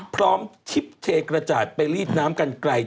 พร้อมทิพเทกระจาดไปลีดน้ำกันไกล